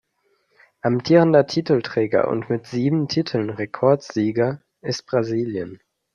Amtierender Titelträger und mit sieben Titeln Rekordsieger ist Brasilien.